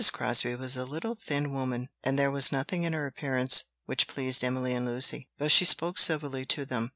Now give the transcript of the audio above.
Crosbie was a little thin woman, and there was nothing in her appearance which pleased Emily and Lucy, though she spoke civilly to them.